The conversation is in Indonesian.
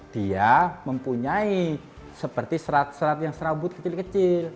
dia mempunyai seperti serat serat yang serabut kecil kecil